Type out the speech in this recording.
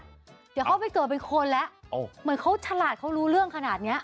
เดี๋ยวเขาไปเกิดเป็นคนแล้วเหมือนเขาฉลาดเขารู้เรื่องขนาดเนี้ย